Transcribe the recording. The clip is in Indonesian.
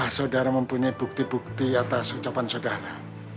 apakah saudara mempunyai bukti bukti atas ucapan saudara